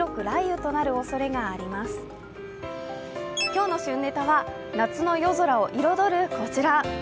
今日の旬ネタは、夏の夜空を彩るこちら。